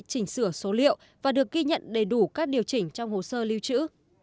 chỉnh sửa số liệu và được ghi nhận đầy đủ các điều chỉnh trong hồ sơ lưu trữ